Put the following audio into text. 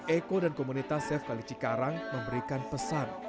eko dan komunitas chef kaleci karang memberikan pesan